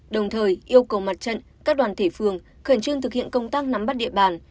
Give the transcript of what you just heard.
đồng thời yêu cầu mặt trận các đoàn thể phường khẩn trương thực hiện công tác nắm bắt địa bàn